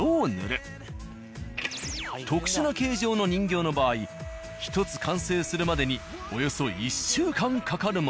特殊な形状の人形の場合１つ完成するまでにおよそ１週間かかるものも。